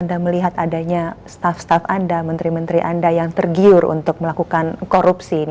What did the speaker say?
anda melihat adanya staff staff anda menteri menteri anda yang tergiur untuk melakukan korupsi ini